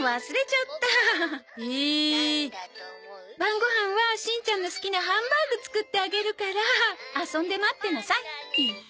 晩ご飯はしんちゃんの好きなハンバーグ作ってあげるから遊んで待ってなさい。